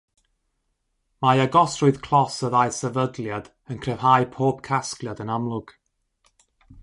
Mae agosrwydd clos y ddau sefydliad yn cryfhau pob casgliad yn amlwg.